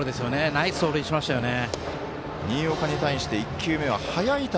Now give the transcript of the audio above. ナイス走塁しましたよね。